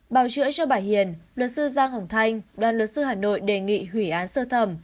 bào chữa cho bà hiền luật sư giang hồng thanh đoàn luật sư hà nội đề nghị hủy án sơ thẩm